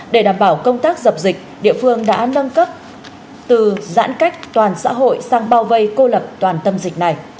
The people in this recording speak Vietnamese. để đảm bảo công tác dập dịch địa phương đã nâng cấp từ giãn cách toàn xã hội sang bao vây cô lập toàn tâm dịch này